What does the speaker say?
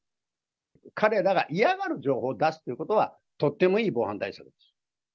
彼らが嫌がる情報を出すということが、とってもいい防犯対策です。